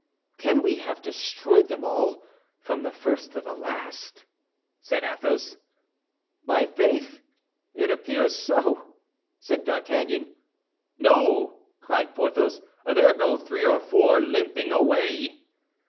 "Can we have destroyed them all, from the first to the last?" said Athos. "My faith, it appears so!" said D'Artagnan. "No," cried Porthos; "there go three or four, limping away."